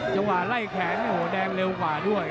จังหวะไล่แขนโอ้โหแดงเร็วกว่าด้วย